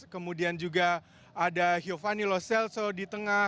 kemudian juga ada giovanni lo celso di tengah